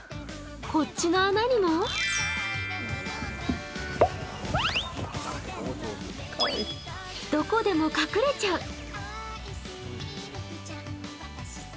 こっちの穴にもどこでも隠れちゃう。